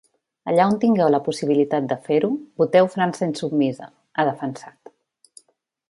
Allà on tingueu la possibilitat de fer-ho, voteu França Insubmisa, ha defensat.